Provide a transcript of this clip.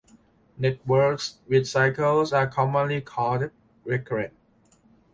Networks with cycles are commonly called recurrent.